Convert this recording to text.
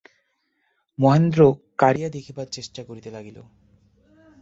মহেন্দ্র কাড়িয়া দেখিবার চেষ্টা করিতে লাগিল।